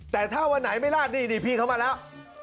แต่ถ้าวันไหนไม่ลาดนี่นี่พี่เขามาแล้ว